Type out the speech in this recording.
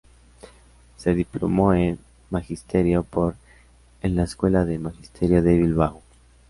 Se diplomó en magisterio por en la escuela de magisterio de Bilbao.